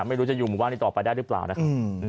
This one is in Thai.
ไม่รู้จะอยู่หมู่บ้านนี้ต่อไปได้หรือเปล่านะครับ